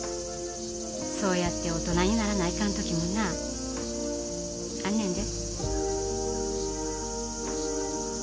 そうやって大人にならないかんときもなあんねんで。